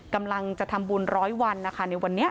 กำลังจะทำบุญร้อยวันนะคะในวันนี้